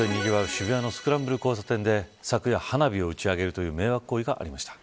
渋谷のスクランブル交差点で昨夜、花火を打ち上げるという迷惑行為がありました。